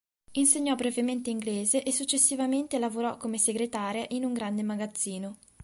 Insegnò brevemente inglese e successivamente lavorò come segretaria in un grande magazzino.